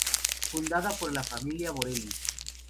Fundada por la familia Borelli.